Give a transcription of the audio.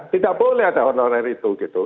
tidak boleh ada honorer itu gitu